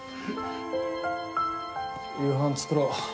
夕飯作ろう。